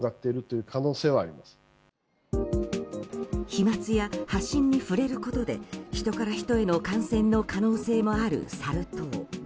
飛沫や発疹に触れることでヒトからヒトへの感染の可能性もあるサル痘。